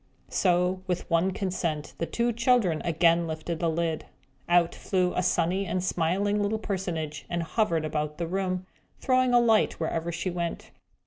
So, with one consent, the two children again lifted the lid. Out flew a sunny and smiling little personage, and Hovered about the room, throwing a light wherever she went.